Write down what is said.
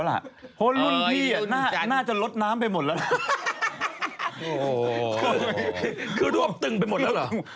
เหมือนคือรวบตึงไปหมดแล้ว